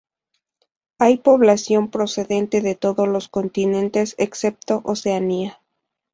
Hay población procedente de todos los continentes excepto Oceanía.